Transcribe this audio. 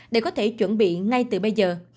để có thể chuẩn bị ngay từ bây giờ